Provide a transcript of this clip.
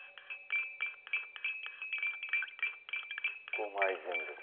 ５枚全部で。